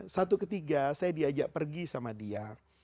satu ketiga saya diajak pergi sama dia